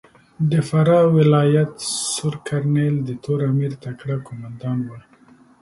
د فراه ولایت سور کرنېل د تور امیر تکړه کومندان ؤ.